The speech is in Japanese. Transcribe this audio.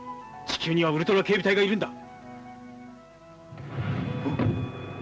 地球にはウルトラ警備隊がいるんだ。